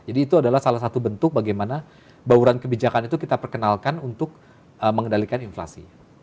jadi itu adalah salah satu bentuk bagaimana bawaran kebijakan itu kita perkenalkan untuk mengendalikan inflasi